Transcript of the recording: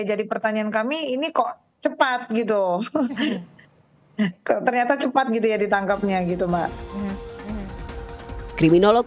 jadi pertanyaan kami ini kok cepat gitu ternyata cepat gitu ya ditangkapnya gitu mbak kriminolog